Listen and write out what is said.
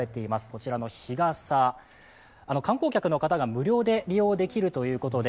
こちらの日傘、観光客の方が無料で利用できるということで、